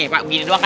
pak begini doang